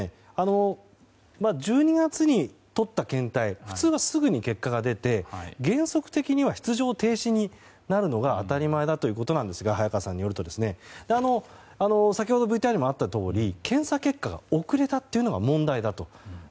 １２月に取った検体で普通はすぐに結果が出て原則的には出場停止になるのが当たり前だということなんですが早川さんによると先ほどＶＴＲにあったように検査結果が遅れたというのが問題だと。